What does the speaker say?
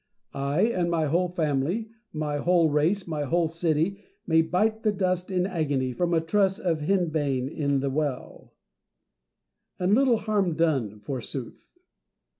I, and my whole family, my whole race, my whole city, may bite the dust in agony from a truss of henbane in the well ; and little harm done forsooth